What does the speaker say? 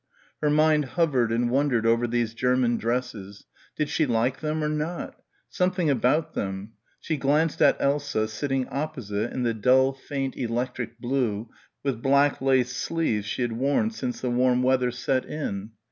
Her mind hovered and wondered over these German dresses did she like them or not something about them she glanced at Elsa, sitting opposite in the dull faint electric blue with black lace sleeves she had worn since the warm weather set in.